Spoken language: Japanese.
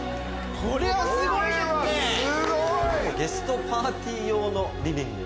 ゲストパーティー用のリビング。